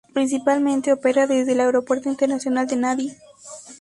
Principalmente opera desde el Aeropuerto Internacional de Nadi.